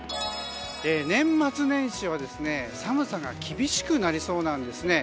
年末年始は寒さが厳しくなりそうなんですね。